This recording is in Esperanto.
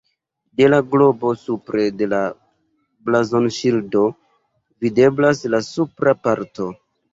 De la globo supre de la blazonŝildo videblas la supra parto.